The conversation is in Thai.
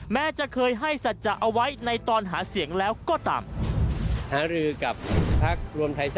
แม้จะเคยให้สัจจะเอาไว้ในตอนหาเสียงแล้วก็ตาม